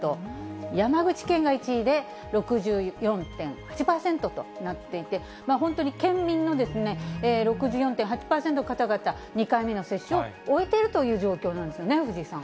山口県が１位で６４．８％となっていて、本当に県民の６４．８％の方々、２回目の接種を終えているという状況なんですね、藤井さん。